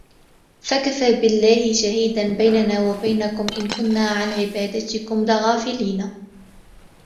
فَكَفَى بِاللَّهِ شَهِيدًا بَيْنَنَا وَبَيْنَكُمْ إِنْ كُنَّا عَنْ عِبَادَتِكُمْ لَغَافِلِينَ